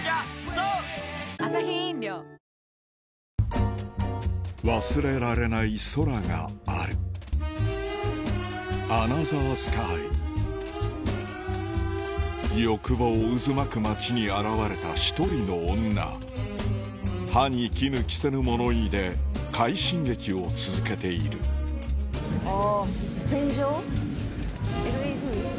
「颯」忘れられない空がある欲望渦巻く街に現れた一人の女歯に衣着せぬ物言いで快進撃を続けているあ。